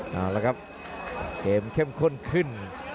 เอาละครับเกมเข้มข้นขึ้น